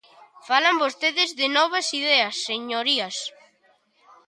Falan vostedes de novas ideas, señorías.